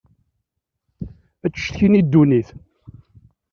Ad d-ttcetkin i ddunit.